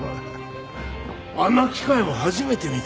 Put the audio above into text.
あんな機械も初めて見たな。